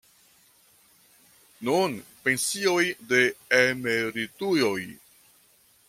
Nun pensioj de emerituloj.